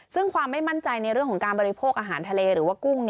ซึ่งความไม่มั่นใจในเรื่องของการบริโภคอาหารทะเลหรือว่ากุ้ง